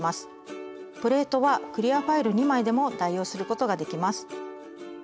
プレートはクリアファイル２枚でも代用することができます。